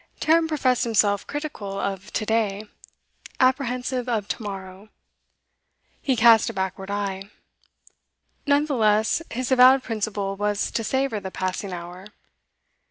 Tarrant professed himself critical of To day, apprehensive of To morrow; he cast a backward eye. None the less, his avowed principle was to savour the passing hour.